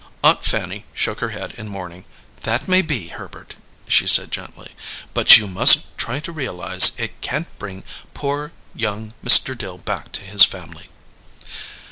Aunt Fanny shook her head in mourning. "That may be, Herbert," she said gently. "But you must try to realize it can't bring poor young Mr. Dill back to his family."